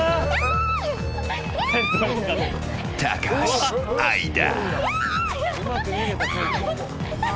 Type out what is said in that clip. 高橋愛だ。